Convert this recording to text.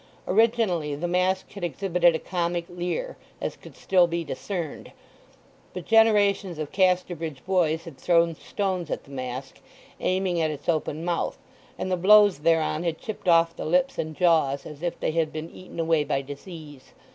Originally the mask had exhibited a comic leer, as could still be discerned; but generations of Casterbridge boys had thrown stones at the mask, aiming at its open mouth; and the blows thereon had chipped off the lips and jaws as if they had been eaten away by disease.